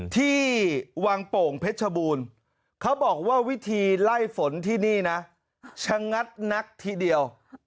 ที่วังโป่งเพชรบูรณ์เขาบอกว่าวิธีไล่ฝนที่นี่นะชะงัดนักทีเดียว